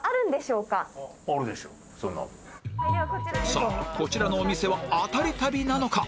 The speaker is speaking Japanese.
さあこちらのお店はアタリ旅なのか？